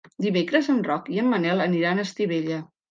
Dimecres en Roc i en Manel aniran a Estivella.